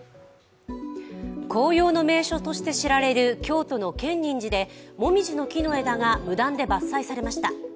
紅葉の名所として知られる京都の建仁寺でもみじの木の枝が無断で伐採されました。